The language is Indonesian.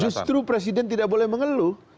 justru presiden tidak boleh mengeluh